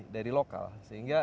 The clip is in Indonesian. dari lokal sehingga